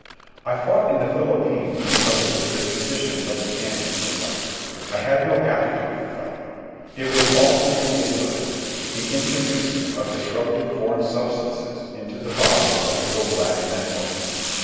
I fought in the Philippines because it was the tradition of the Standings to fight. I had no aptitude for fighting. It was all too ridiculous, the introducing of disruptive foreign substances into the bodies of little black men folk.